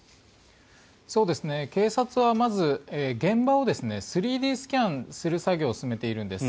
警察はまず、現場を３Ｄスキャンする作業を進めているんです。